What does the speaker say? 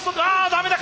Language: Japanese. ダメだ。